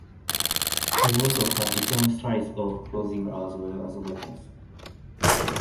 They also have different styles of clothing as well as weapons.